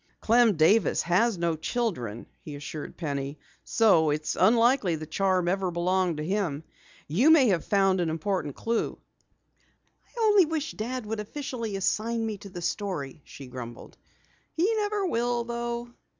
"Clem Davis has no children," he assured Penny, "so it's unlikely the charm ever belonged to him. You may have found an important clue." "I only wish Dad would officially assign me to the story," she grumbled. "He never will, though."